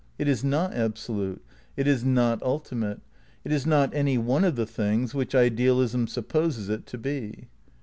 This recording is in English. It is not absolute; it is not ultimate : it is not any one of the things which idealism supposes it to be.